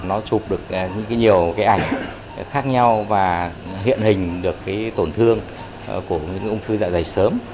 để nó chụp được nhiều cái ảnh khác nhau và hiện hình được cái tổn thương của những ung thư dạ dày sớm